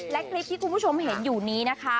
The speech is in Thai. และคลิปที่คุณผู้ชมเห็นอยู่นี้นะคะ